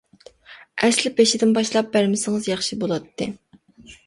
ئەسلى بېشىدىن باشلاپ بەرمىسىڭىز ياخشى بولاتتى.